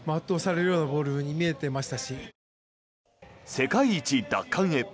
世界一奪還へ。